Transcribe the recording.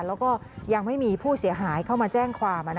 แล้วก็ยังไม่มีผู้เสียหายเข้ามาแจ้งความ